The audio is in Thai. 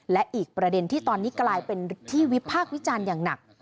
และอีกประเด็นที่ตอนนี้กลายเป็นที่วิพากษ์วิจารณ์อย่างหนัก